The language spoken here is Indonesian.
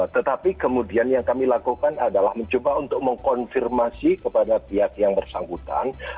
tetapi kemudian yang kami lakukan adalah mencoba untuk mengkonfirmasi kepada pihak yang bersangkutan